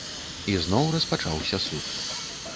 І зноў распачаўся суд.